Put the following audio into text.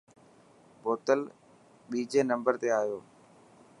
بوتل ٻيجي نمبر تي آيو.